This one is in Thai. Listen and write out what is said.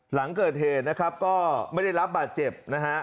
หลังเกิดเหตุนะครับก็ไม่ได้รับบาดเจ็บนะฮะ